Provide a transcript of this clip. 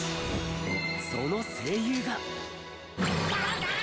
その声優が。爆弾！？